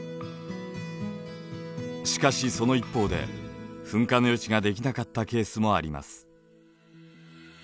しかしその一方で噴火の予知ができなかったケースもあります。